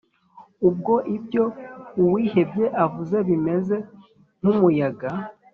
ubwo ibyo uwihebye avuze bimeze nk’umuyaga’